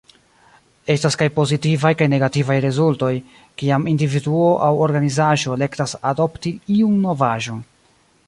Estas kaj pozitivaj kaj negativaj rezultoj kiam individuo aŭ organizaĵo elektas adopti iun novaĵon.